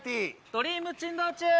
「ドリーム珍道中！」。